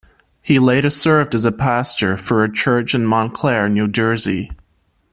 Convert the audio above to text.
He later served as a pastor for a church in Montclair, New Jersey.